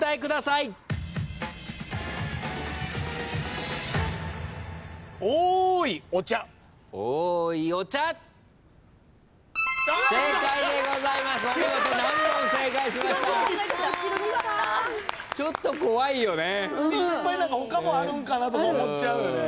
いっぱい何か他もあるんかなとか思っちゃうよね。